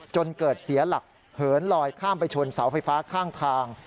จนเกิดเสียหลักเหินลอยข้ามไปชนเสาไฟฟ้าข้างทาง